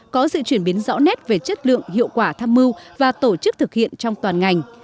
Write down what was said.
có sự chuyển biến rõ nét về chất lượng hiệu quả tham mưu và tổ chức thực hiện trong toàn ngành